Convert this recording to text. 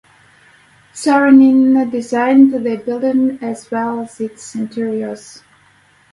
Saarinen designed the building as well as its interiors.